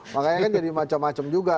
makanya kan jadi macam macam juga